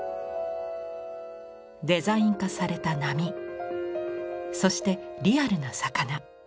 デザイン化された波そしてリアルな魚。